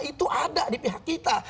itu ada di pihak kita